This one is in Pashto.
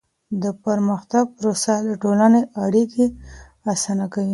د پرمختګ پروسه د ټولني اړیکي اسانه کوي.